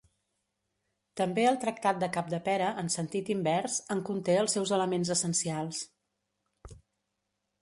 També el Tractat de Capdepera, en sentit invers, en conté els seus elements essencials.